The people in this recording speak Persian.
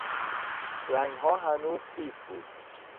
رنگها هنوز خیس بود.